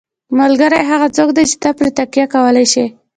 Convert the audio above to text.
ملګری هغه څوک دی چې ته پرې تکیه کولی شې.